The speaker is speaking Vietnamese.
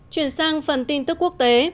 chuyển sang phần tin tức quốc tế